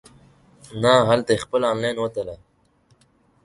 نه هلته یې خپله انلاین وتله.